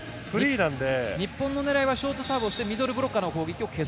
日本の狙いはショートサービスをしてミドルブロッカーの攻撃を消す。